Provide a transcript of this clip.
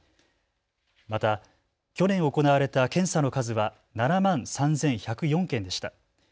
また去年行われた検査の数は７万３１０４件でした。